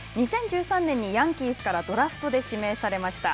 ２０１３年にヤンキースからドラフトで指名されました。